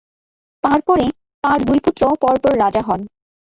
তাঁর পরে তাঁর দুই পুত্র পর পর রাজা হন।